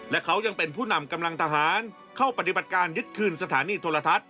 และเขายังเป็นผู้นำกำลังทหารเข้าปฏิบัติการยึดคืนสถานีโทรทัศน